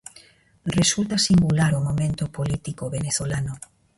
Resulta singular o momento político venezolano.